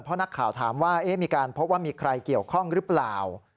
เพราะนักข่าวถามว่ามีการพบว่ามีใครเกี่ยวข้องหรือเปล่า